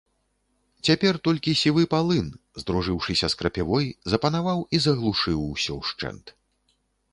Цяпер толькі сівы палын, здружыўшыся з крапівой, запанаваў і заглушыў усё ўшчэнт.